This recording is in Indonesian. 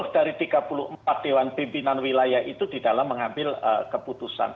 dari tiga puluh empat dewan pimpinan wilayah itu di dalam mengambil keputusan